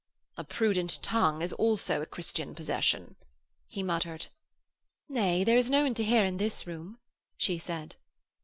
'A prudent tongue is also a Christian possession,' he muttered. 'Nay there is no one to hear in this room,' she said.